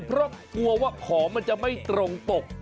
เพราะกลัวว่าของมันจะไม่ตรงปก